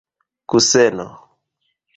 kuseno